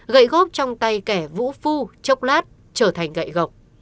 gậy gốc trong tay kẻ vũ phu chốc lát trở thành gậy gốc